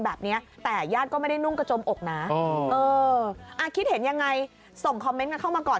แบบนี้แต่ญาติก็ไม่ได้นุ่งกระจมอกนะเออคิดเห็นยังไงส่งคอมเมนต์กันเข้ามาก่อน